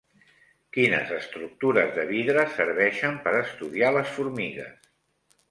Quines estructures de vidre serveixen per estudiar les formigues?